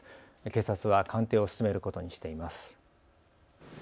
警察は鑑定を進めることにしています。